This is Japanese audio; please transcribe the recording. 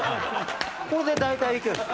これで、大体いくんです。